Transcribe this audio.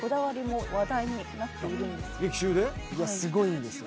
すごいんですよ。